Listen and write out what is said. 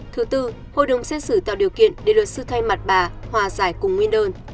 thứ tư hội đồng xét xử tạo điều kiện để luật sư thay mặt bà hòa giải cùng nguyên đơn